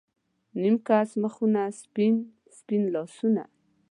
نیم کښ مخونه، سپین، سپین لاسونه